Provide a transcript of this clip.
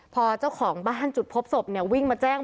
พอเจ้าของบ้านจุดพบศพเนี่ยวิ่งมาแจ้ง